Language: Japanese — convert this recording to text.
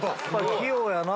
器用やな。